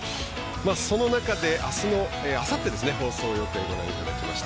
その中で、あさっての放送予定をご覧いただきました。